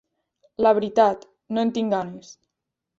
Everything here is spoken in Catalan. La veritat: no en tinc ganes.